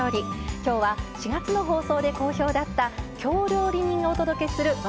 きょうは４月の放送で好評だった京料理人がお届けする和